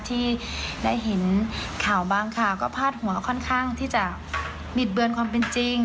ที่ได้เห็นข่าวบางข่าวก็พาดหัวค่อนข้างที่จะบิดเบือนความเป็นจริง